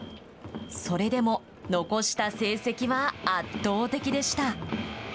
それでも残した成績は圧倒的でした。